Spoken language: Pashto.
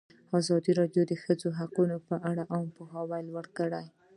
ازادي راډیو د د ښځو حقونه لپاره عامه پوهاوي لوړ کړی.